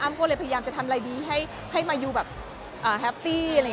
ก็เลยพยายามจะทำอะไรดีให้มายูแบบแฮปปี้อะไรอย่างนี้